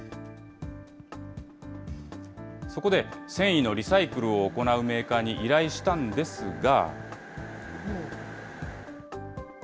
そこで、繊維のリサイクルを行うメーカーに依頼したんですが。